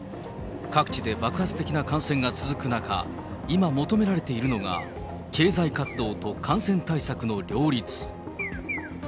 各地で爆発的な感染が続く中、今求められているのが、経済活動と感染対策の両立。